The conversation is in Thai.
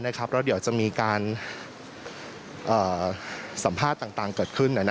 แล้วเดี๋ยวจะมีการสัมภาษณ์ต่างเกิดขึ้น